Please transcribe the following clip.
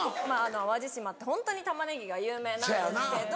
淡路島ってホントに玉ねぎが有名なんですけど。